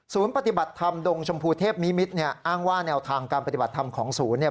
ศูนย์ปฏิบัติธรรมดงชมภูเทพมิมิตรอ้างว่าแนวทางการปฏิบัติธรรมของศูนย์